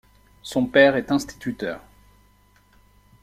Son père est instituteur.